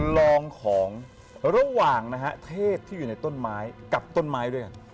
ลองของระหว่างนะฮะเทศที่อยู่ในต้นไม้กับต้นไม้ด้วยกัน